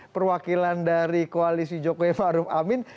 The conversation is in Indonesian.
perwakilan dari koalisi jokowi maruf amin